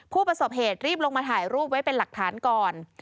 ผู้ประสบเหตุรีบลงมาถ่ายรูปไว้เป็นหลักฐานก่อน